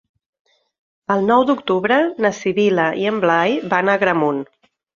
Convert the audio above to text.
El nou d'octubre na Sibil·la i en Blai van a Agramunt.